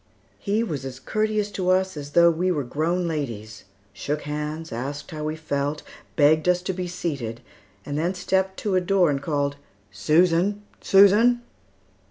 He was as courteous to us as though we were grown ladies, shook hands, asked how we felt, begged us to be seated, and then stepped to a door and called, "Susan! Susan!"